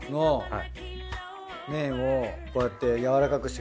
はい。